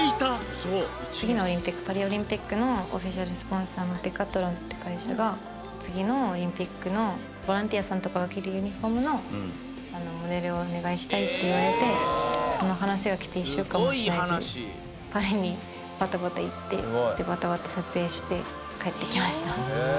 次のオリンピックパリオリンピックのオフィシャルスポンサーのＤｅｃａｔｈｌｏｎって会社が次のオリンピックのボランティアさんとかが着るユニフォームのモデルをお願いしたいって言われてその話がきて１週間もしないうちにパリにバタバタ行ってバタバタ撮影して帰ってきました。